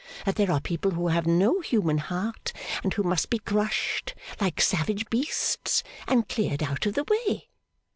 That there are people who have no human heart, and who must be crushed like savage beasts and cleared out of the way.